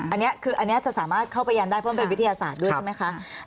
อันนี้คืออันนี้จะสามารถเข้าไปยันได้เพราะมันเป็นวิทยาศาสตร์ด้วยใช่ไหมคะ